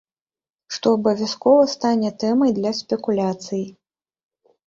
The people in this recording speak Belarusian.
Што абавязкова стане тэмай для спекуляцый.